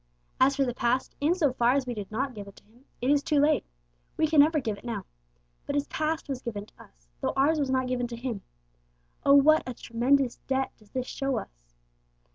As for the past, in so far as we did not give it to Him, it is too late; we can never give it now! But His past was given to us, though ours was not given to Him. Oh, what a tremendous debt does this show us!